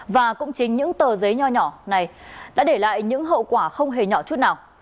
và cũng chính những tờ giấy nhỏ nhỏ này đã để lại những hậu quả không hề nhỏ chút nào